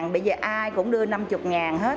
bây giờ ai cũng đưa năm mươi hết